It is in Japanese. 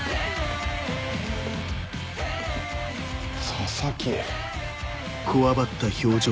佐々木。